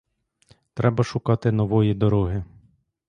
Треба шукати нової дороги.